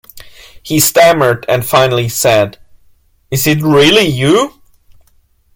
He stammered and finally said, "is it really you?".